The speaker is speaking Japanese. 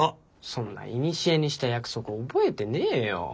そんないにしえにした約束覚えてねえよ。